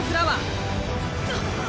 あっ！